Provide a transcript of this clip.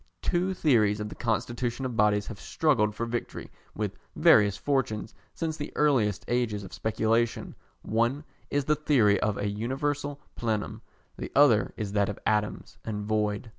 Two theories of the constitution of bodies have struggled for victory with various fortunes since the earliest ages of speculation: one is the theory of a universal plenum, the other is that of atoms and void.